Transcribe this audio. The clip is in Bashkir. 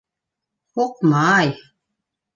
Һуҡмай...